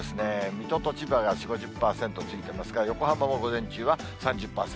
水戸と千葉が４、５０％ついてますが、横浜も午前中は３０％。